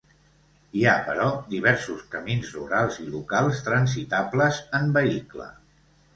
Hi ha, però, diversos camins rurals i locals transitables en vehicle.